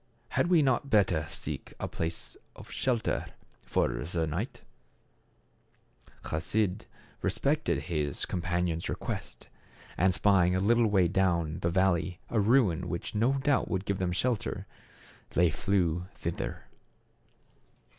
Had not we better seek a place of shelter for the night ?" Chasid respected his companion's request, and spying a little way down the valley a ruin which no doubt would give them shelter, they flew thither.